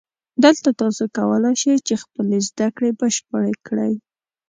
دلته تاسو کولای شئ چې خپلې زده کړې بشپړې کړئ